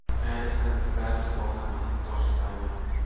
Äänestämme päätöslauselmasta torstaina.